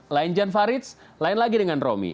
lain jan farid lain lagi dengan romy